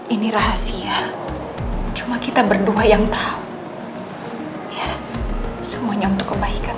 ini rahasia cuma kita berdua yang tahu ya semuanya untuk kebaikan